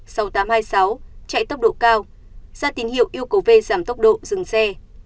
chạy tốc độ cao ra tín hiệu yêu cầu v giảm tốc độ dừng xe